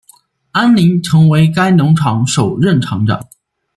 安林成为该农场首任场长。